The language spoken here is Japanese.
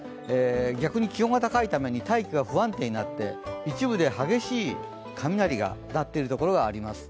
逆に気温が高いために大気が不安定になって、一部で激しい雷が鳴っている所があります。